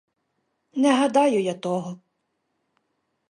Не гадаю я того.